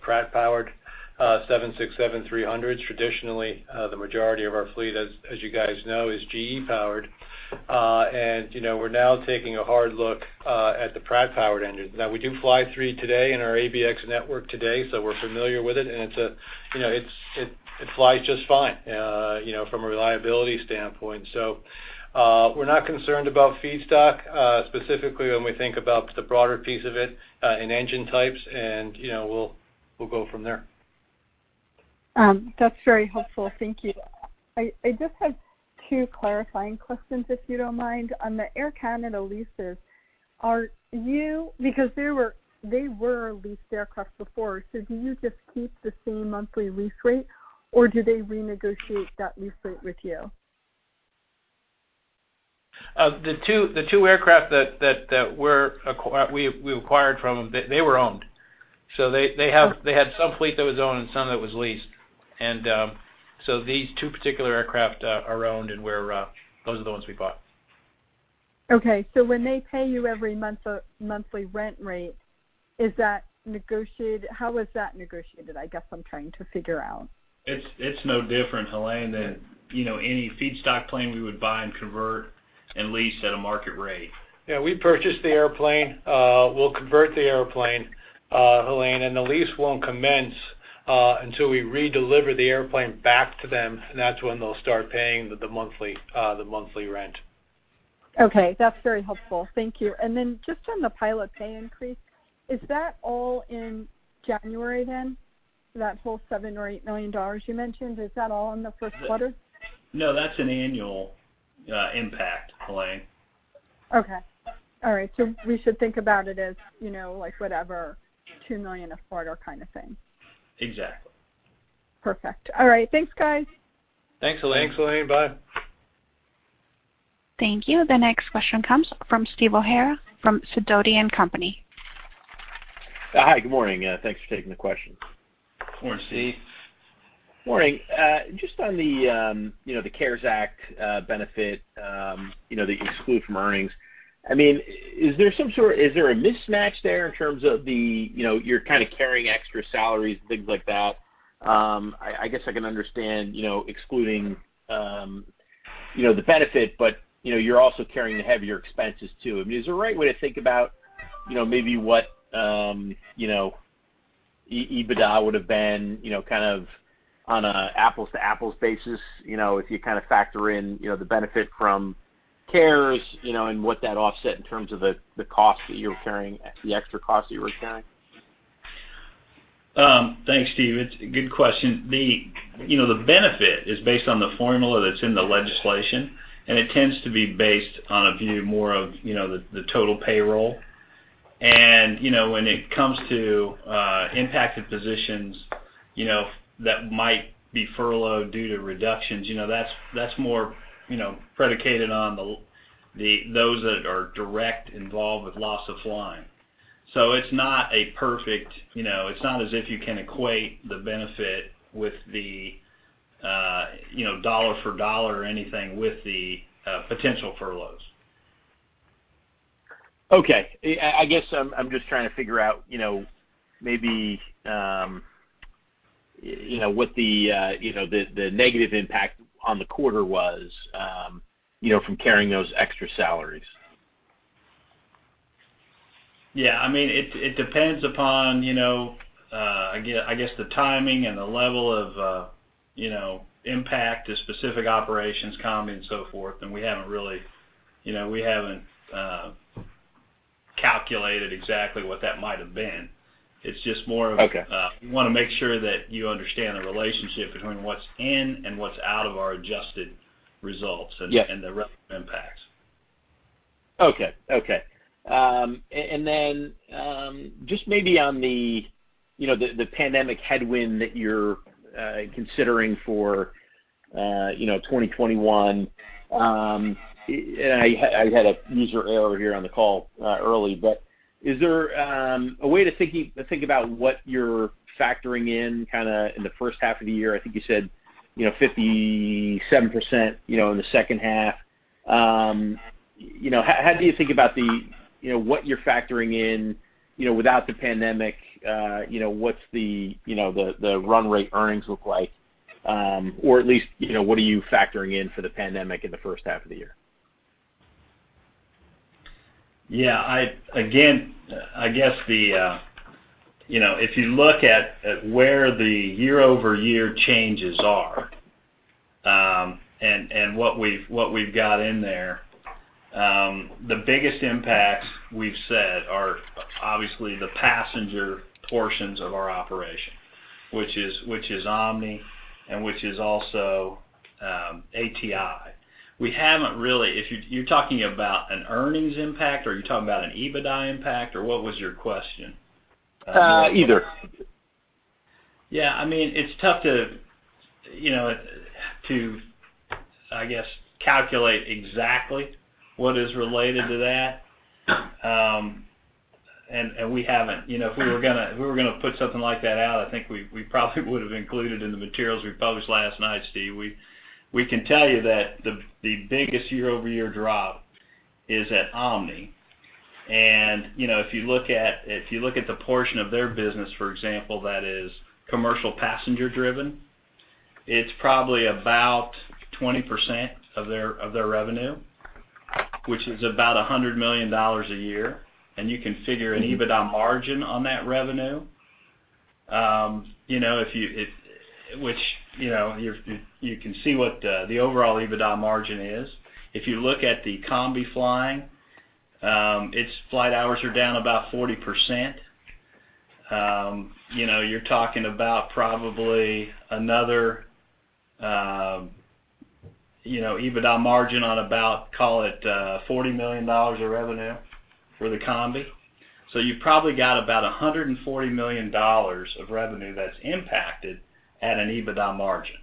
Pratt-powered 767-300s. Traditionally, the majority of our fleet, as you guys know, is GE-powered. We're now taking a hard look at the Pratt-powered engines. Now, we do fly three today in our ABX network today, so we're familiar with it, and it flies just fine from a reliability standpoint. We're not concerned about feedstock, specifically when we think about the broader piece of it in engine types, and we'll go from there. That's very helpful. Thank you. I just have two clarifying questions, if you don't mind. On the Air Canada leases, because they were leased aircraft before, so do you just keep the same monthly lease rate, or do they renegotiate that lease rate with you? The two aircraft that we acquired from them, they were owned. They had some fleet that was owned and some that was leased. These two particular aircraft are owned and those are the ones we bought. Okay. When they pay you every monthly rent rate, how was that negotiated, I guess I'm trying to figure out? It's no different, Helane, than any feedstock plane we would buy and convert and lease at a market rate. We purchased the airplane. We'll convert the airplane, Helane, and the lease won't commence until we redeliver the airplane back to them, and that's when they'll start paying the monthly rent. Okay. That's very helpful. Thank you. Just on the pilot pay increase, is that all in January then? That whole $7 million or $8 million you mentioned, is that all in the first quarter? No, that's an annual impact, Helane. Okay. All right. We should think about it as like whatever, $2 million a quarter kind of thing. Exactly. Perfect. All right. Thanks, guys. Thanks, Helane. Thanks, Helane. Bye. Thank you. The next question comes from Steve O'Hara from Sidoti & Company. Hi. Good morning. Thanks for taking the questions. Morning, Steve. Morning. Just on the CARES Act benefit that you exclude from earnings. Is there a mismatch there in terms of you're kind of carrying extra salaries and things like that? I guess I can understand excluding the benefit, but you're also carrying heavier expenses, too. I mean, is the right way to think about maybe what EBITDA would've been, kind of on an apples-to-apples basis, if you kind of factor in the benefit from CARES, and what that offset in terms of the cost that you're carrying, the extra cost that you were carrying? Thanks, Steve. It's a good question. The benefit is based on the formula that's in the legislation. It tends to be based on a view more of the total payroll. When it comes to impacted positions that might be furloughed due to reductions, that's more predicated on those that are direct involved with loss of flying. It's not as if you can equate the benefit dollar for dollar or anything with the potential furloughs. Okay. I guess I'm just trying to figure out maybe what the negative impact on the quarter was from carrying those extra salaries. Yeah. It depends upon, I guess, the timing and the level of impact to specific operations, comm, and so forth, and we haven't calculated exactly what that might've been. Okay We want to make sure that you understand the relationship between what's in and what's out of our adjusted results and the rest of impacts. Okay. Just maybe on the pandemic headwind that you're considering for 2021. I had a user error here on the call early, is there a way to think about what you're factoring in kind of in the first half of the year? I think you said 57% in the second half. How do you think about what you're factoring in without the pandemic? What's the run rate earnings look like? At least, what are you factoring in for the pandemic in the first half of the year? Yeah. Again, I guess if you look at where the year-over-year changes are and what we've got in there, the biggest impacts we've said are obviously the passenger portions of our operation, which is Omni, and which is also ATI. You're talking about an earnings impact, or are you talking about an EBITDA impact, or what was your question? Either. Yeah. It's tough to, I guess, calculate exactly what is related to that. We haven't. If we were going to put something like that out, I think we probably would've included in the materials we published last night, Steve. We can tell you that the biggest year-over-year drop is at Omni. If you look at the portion of their business, for example, that is commercial passenger driven, it's probably about 20% of their revenue, which is about $100 million a year. You can figure an EBITDA margin on that revenue. You can see what the overall EBITDA margin is. If you look at the Combi flying, its flight hours are down about 40%. You're talking about probably another EBITDA margin on about, call it, $40 million of revenue for the Combi. You've probably got about $140 million of revenue that's impacted at an EBITDA margin.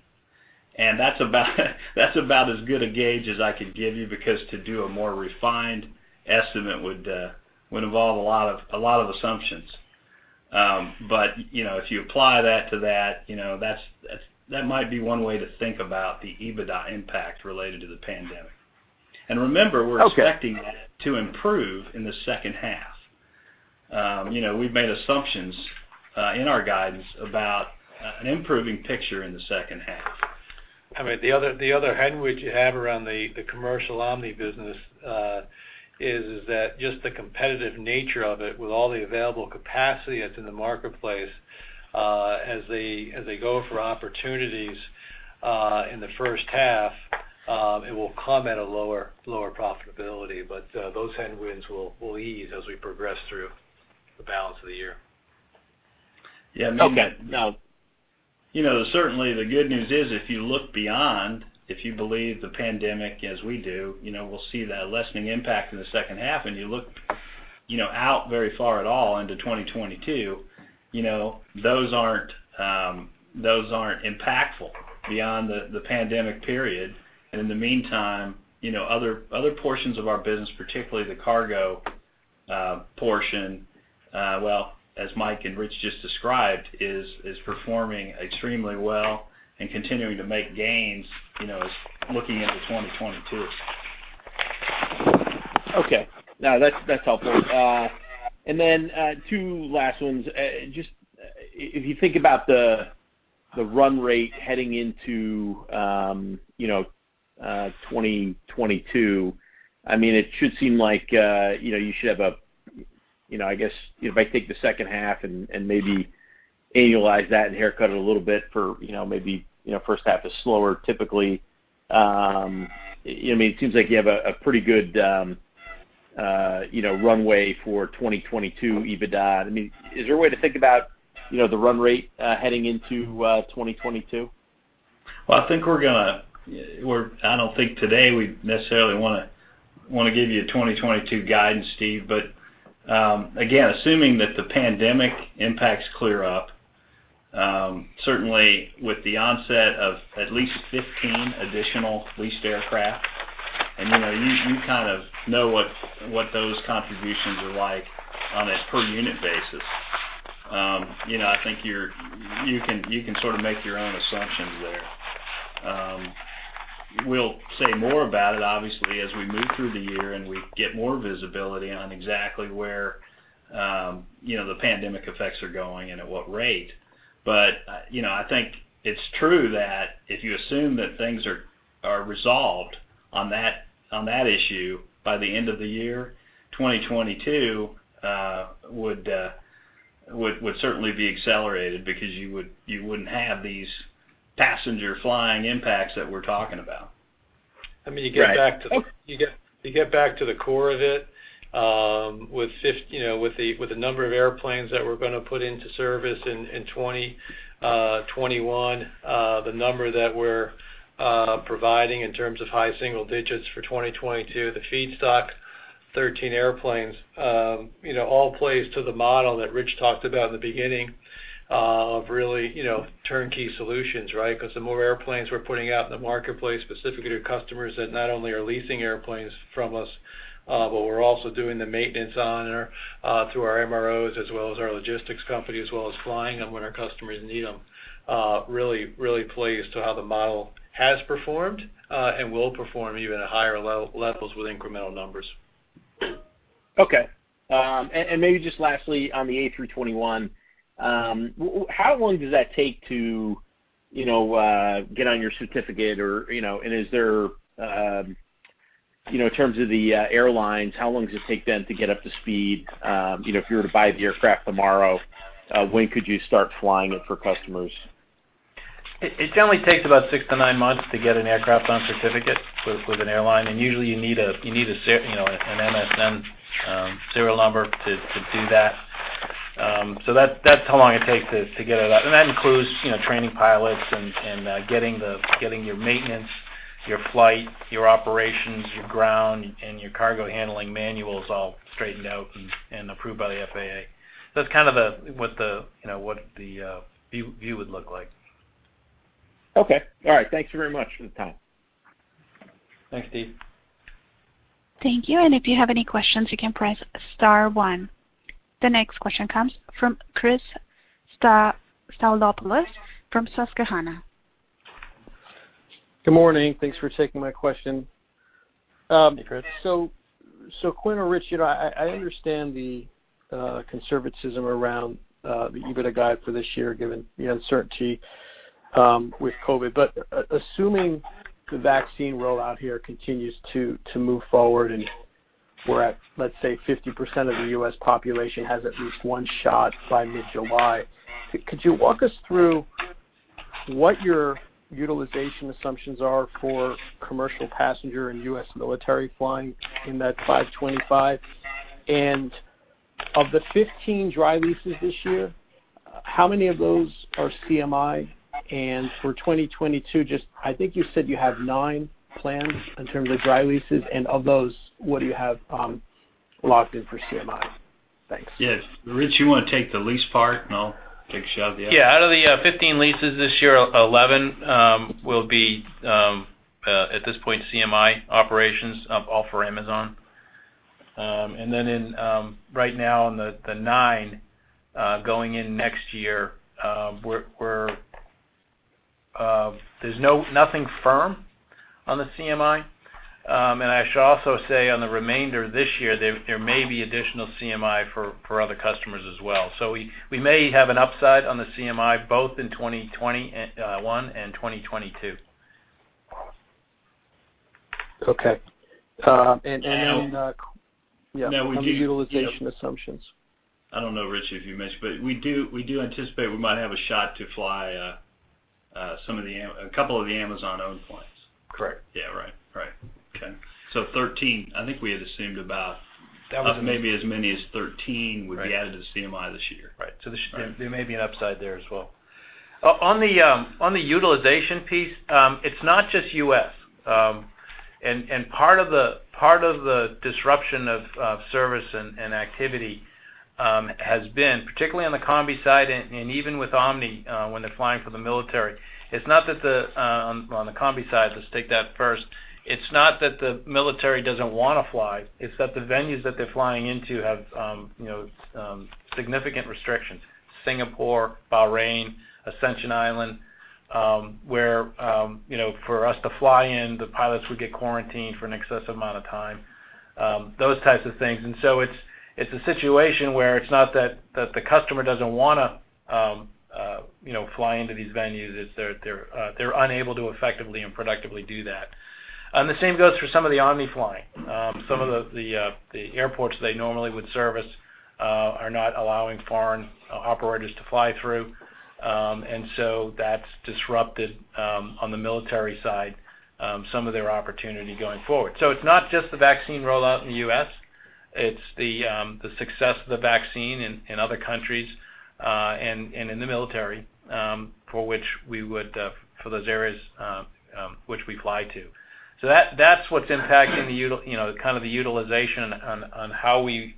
That's about as good a gauge as I could give you because to do a more refined estimate would involve a lot of assumptions. If you apply that to that might be one way to think about the EBITDA impact related to the pandemic. Remember, we're expecting that to improve in the second half. We've made assumptions in our guidance about an improving picture in the second half. The other headwind you have around the commercial Omni business is that just the competitive nature of it with all the available capacity that's in the marketplace as they go for opportunities in the first half, it will come at a lower profitability. Those headwinds will ease as we progress through the balance of the year. Okay. Certainly, the good news is if you look beyond, if you believe the pandemic as we do, we'll see that lessening impact in the second half. You look out very far at all into 2022. Those aren't impactful beyond the pandemic period. In the meantime, other portions of our business, particularly the cargo portion, well, as Mike and Rich just described, is performing extremely well and continuing to make gains, is looking into 2022. Okay. No, that's helpful. Then two last ones. Just if you think about the run rate heading into 2022, it should seem like you should have, I guess, if I take the second half and maybe annualize that and haircut it a little bit for maybe first half is slower typically. It seems like you have a pretty good runway for 2022 EBITDA. Is there a way to think about the run rate heading into 2022? I think I don't think today we necessarily want to give you a 2022 guidance, Steve. Again, assuming that the pandemic impacts clear up, certainly with the onset of at least 15 additional leased aircraft, and you kind of know what those contributions are like on a per unit basis. I think you can sort of make your own assumptions there. We'll say more about it, obviously, as we move through the year and we get more visibility on exactly where the pandemic effects are going and at what rate. I think it's true that if you assume that things are resolved on that issue by the end of the year, 2022 would certainly be accelerated because you wouldn't have these passenger flying impacts that we're talking about. I mean, you get back to the core of it, with the number of airplanes that we're going to put into service in 2021, the number that we're providing in terms of high single digits for 2022, the feedstock, 13 airplanes, all plays to the model that Rich talked about in the beginning of really turnkey solutions, right? The more airplanes we're putting out in the marketplace, specifically to customers that not only are leasing airplanes from us, but we're also doing the maintenance on through our MROs, as well as our logistics company, as well as flying them when our customers need them, really plays to how the model has performed, and will perform even at higher levels with incremental numbers. Okay. Maybe just lastly, on the A321, how long does that take to get on your certificate, in terms of the airlines, how long does it take them to get up to speed? If you were to buy the aircraft tomorrow, when could you start flying it for customers? It generally takes about six to nine months to get an aircraft on certificate with an airline, and usually you need an MSN serial number to do that. That's how long it takes to get it out. That includes training pilots and getting your maintenance, your flight, your operations, your ground, and your cargo handling manuals all straightened out and approved by the FAA. It's kind of what the view would look like. Okay. All right. Thanks very much for the time. Thanks, Steve. Thank you. If you have any questions, you can press star one. The next question comes from Chris Stathoulopoulos from Susquehanna. Good morning. Thanks for taking my question. Hey, Chris. Quint or Rich, I understand the conservatism around you gave a guide for this year, given the uncertainty with COVID, but assuming the vaccine rollout here continues to move forward, and we're at, let's say, 50% of the U.S. population has at least one shot by mid-July, could you walk us through what your utilization assumptions are for commercial passenger and U.S. military flying in that 525? And of the 15 dry leases this year, how many of those are CMI? And for 2022, I think you said you have nine plans in terms of dry leases, and of those, what do you have locked in for CMI? Thanks. Yes. Rich, you want to take the lease part, and I'll take a shot at the other? Yeah, out of the 15 leases this year, 11 will be, at this point, CMI operations, all for Amazon. Right now on the nine going in next year, there's nothing firm on the CMI. I should also say on the remainder this year, there may be additional CMI for other customers as well. We may have an upside on the CMI, both in 2021 and 2022. Okay. Now, we do- on the utilization assumptions. I don't know, Rich, if you mentioned, but we do anticipate we might have a shot to fly a couple of the Amazon-owned planes. Correct. Yeah. Right. Okay. 13, I think we had assumed about maybe as many as 13 would be added to CMI this year. Right. There may be an upside there as well. On the utilization piece, it's not just U.S. Part of the disruption of service and activity has been, particularly on the Combi side and even with Omni when they're flying for the Military. On the Combi side, let's take that first. It's not that the Military doesn't want to fly, it's that the venues that they're flying into have significant restrictions. Singapore, Bahrain, Ascension Island, where for us to fly in, the pilots would get quarantined for an excessive amount of time. Those types of things. It's a situation where it's not that the customer doesn't want to fly into these venues, it's they're unable to effectively and productively do that. The same goes for some of the Omni flying. Some of the airports they normally would service are not allowing foreign operators to fly through. That's disrupted, on the military side, some of their opportunity going forward. It's not just the vaccine rollout in the U.S. It's the success of the vaccine in other countries, and in the military, for those areas which we fly to. That's what's impacting the kind of the utilization on how we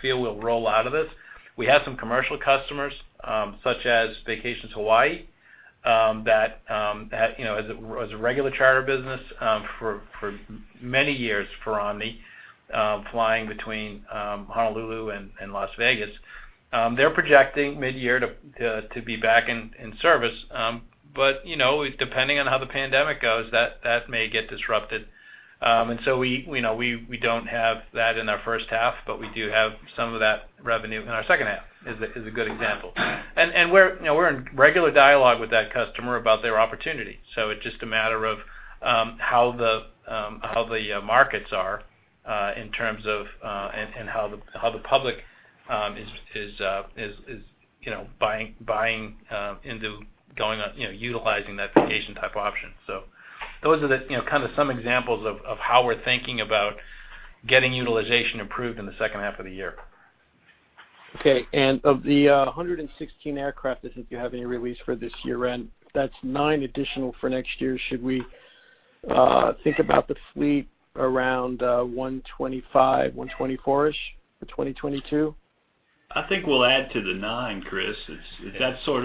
feel we'll roll out of this. We have some commercial customers, such as Vacations Hawaii, that was a regular charter business for many years for Omni, flying between Honolulu and Las Vegas. They're projecting midyear to be back in service. Depending on how the pandemic goes, that may get disrupted. We don't have that in our first half, but we do have some of that revenue in our second half. Is a good example. We're in regular dialogue with that customer about their opportunity. It's just a matter of how the markets are, and how the public is buying into going on, utilizing that vacation type option. Those are the kind of some examples of how we're thinking about getting utilization improved in the second half of the year. Okay. Of the 116 aircraft that you have in your release for this year-end, that's nine additional for next year. Should we think about the fleet around 125, 124-ish for 2022? I think we'll add to the nine, Chris. Go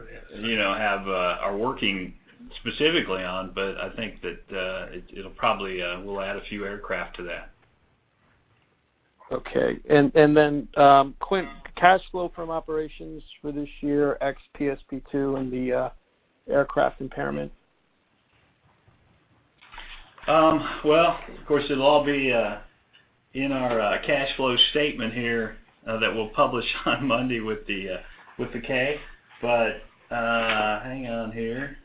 ahead. Are working specifically on. I think that it'll probably we'll add a few aircraft to that. Okay. Then, Quint, cash flow from operations for this year, ex PSP2 and the aircraft impairment? Well, of course, it'll all be in our cash flow statement here that we'll publish on Monday with the K. Hang on here.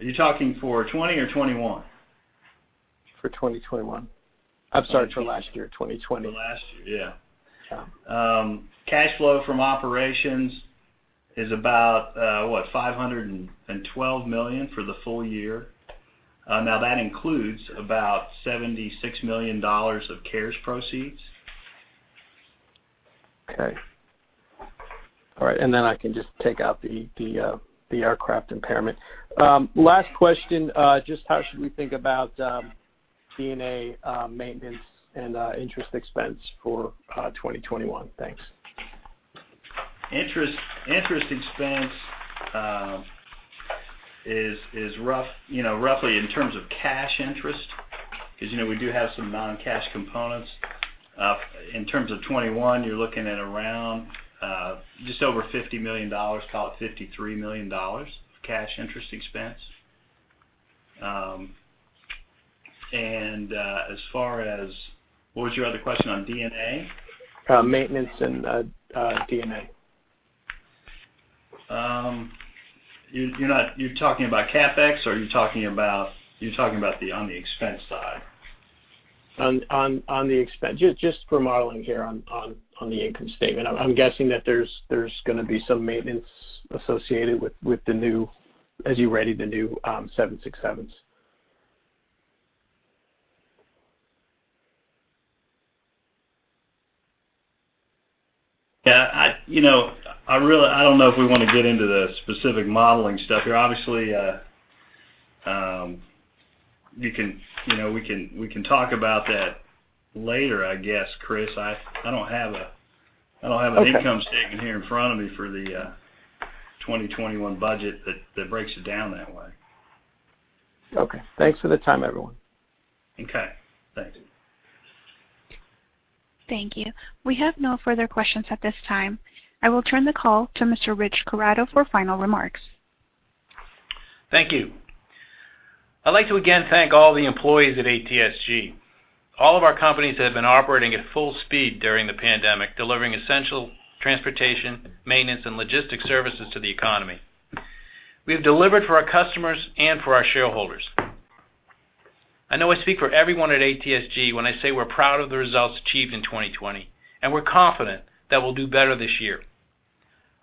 Are you talking for 2020 or 2021? For 2021. I'm sorry, for last year, 2020. For last year, yeah. Yeah. Cash flow from operations is about, what, $512 million for the full year. That includes about $76 million of CARES proceeds. Okay. All right, then I can just take out the aircraft impairment. Last question, just how should we think about D&A maintenance and interest expense for 2021? Thanks. Interest expense is roughly in terms of cash interest, because we do have some non-cash components. In terms of 2021, you're looking at around just over $50 million, call it $53 million cash interest expense. As far as What was your other question on D&A? Maintenance and D&A. You're talking about CapEx, or you're talking about on the expense side? On the expense. Just for modeling here on the income statement. I'm guessing that there's going to be some maintenance associated as you ready the new 767s. Yeah. I don't know if we want to get into the specific modeling stuff here. Obviously, we can talk about that later, I guess, Chris. I don't have an income statement here in front of me for the 2021 budget that breaks it down that way. Okay. Thanks for the time, everyone. Okay. Thanks. Thank you. We have no further questions at this time. I will turn the call to Mr. Rich Corrado for final remarks. Thank you. I'd like to again thank all the employees at ATSG. All of our companies have been operating at full speed during the pandemic, delivering essential transportation, maintenance, and logistics services to the economy. We've delivered for our customers and for our shareholders. I know I speak for everyone at ATSG when I say we're proud of the results achieved in 2020, and we're confident that we'll do better this year.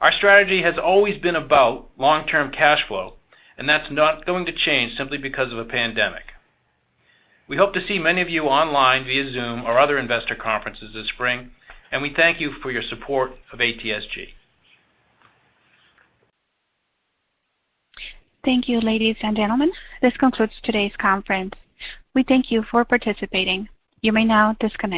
Our strategy has always been about long-term cash flow, and that's not going to change simply because of a pandemic. We hope to see many of you online via Zoom or other investor conferences this spring, and we thank you for your support of ATSG. Thank you, ladies and gentlemen. This concludes today's conference. We thank you for participating. You may now disconnect.